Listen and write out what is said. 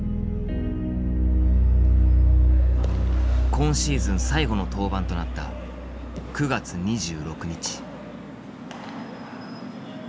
今シーズン最後の登板となった９月２６日。